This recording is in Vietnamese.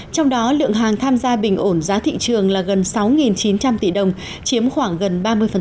trong đó lượng hàng tham gia bình ổn giá thị trường là gần sáu chín trăm linh tỷ đồng chiếm khoảng gần ba mươi